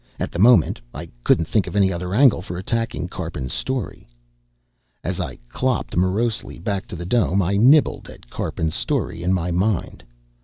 At the moment, I couldn't think of any other angle for attacking Karpin's story. As I clopped morosely back to the dome, I nibbled at Karpin's story in my mind.